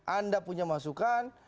anda punya masukan